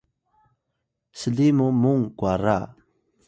sli mu mung kwara